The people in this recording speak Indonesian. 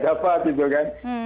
gak tahu apa apa gitu kan